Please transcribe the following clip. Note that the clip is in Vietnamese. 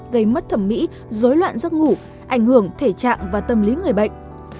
gây mất thẩm mỹ dối loạn giấc ngủ ảnh hưởng thể trạng và tâm lý người bệnh